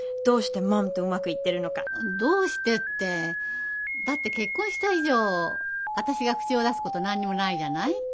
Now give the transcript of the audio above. どうしてってだって結婚した以上私が口を出すこと何にもないじゃない。